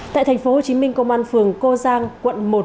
tại tp hcm công an phường cô giang quận một